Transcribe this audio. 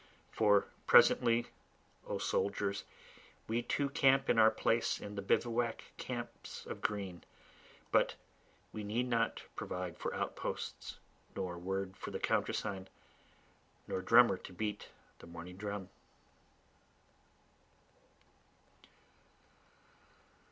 For presently O soldiers, we too camp in our place in the bivouac camps of green, But we need not provide for outposts, nor word for the countersign, Nor drummer to beat the morning drum.